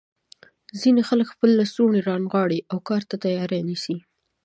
ځینې خلک خپل لستوڼي رانغاړي او کار ته تیاری نیسي.